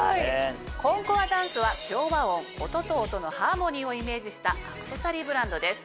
ＣＯＮＣＯＲＤＡＮＣＥは協和音音と音のハーモニーをイメージしたアクセサリーブランドです。